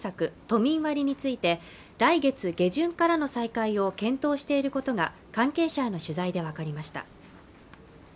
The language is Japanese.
都民割について来月下旬からの再開を検討していることが関係者への取材で分かりました